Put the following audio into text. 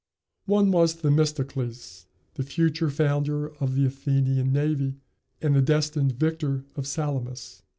One was Themistocles, the future founder of the Athenian navy, and the destined victor of Salamis.